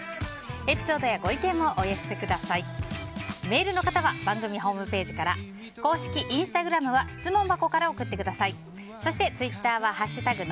エピソードやご意見をお寄せください。